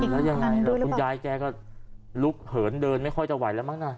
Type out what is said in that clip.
แล้วยังไงล่ะคุณยายแกก็ลุกเหินเดินไม่ค่อยจะไหวแล้วมั้งนะ